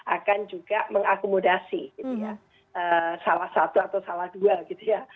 akan juga mengakomodasi gitu ya salah satu atau salah dua gitu ya